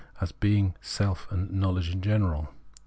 as being self and know ledge in general.